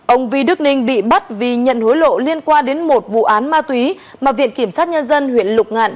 ông vi đức ninh bị bắt vì nhận hối lộ liên quan đến một vụ án ma túy mà viện kiểm sát nhân dân huyện lục ngạn